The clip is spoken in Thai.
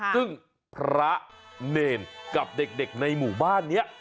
ซึ่งพระเนรกับเด็กในหมู่บ้านนี้